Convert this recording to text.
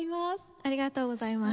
ありがとうございます。